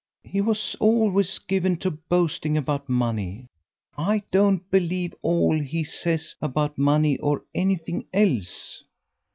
"He was always given to boasting about money. I don't believe all he says about money or anything else."